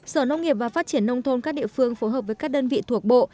sở nông nghiệp và phát triển nông thôn các địa phương phối hợp với các đơn vị thuộc bộ